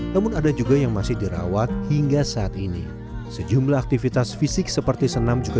namun ada juga yang masih dirawat hingga saat ini sejumlah aktivitas fisik seperti senam juga